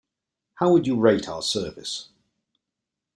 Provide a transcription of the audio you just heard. How would you rate our service?